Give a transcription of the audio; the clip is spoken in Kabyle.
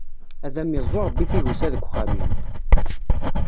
Ad am-iẓẓu Ṛebbi tigusa deg uxxam-im!